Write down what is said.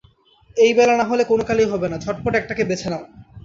এইবেলা না হলে কোনকালেই হবে না, ঝটপট একটাকে বেছে নাও।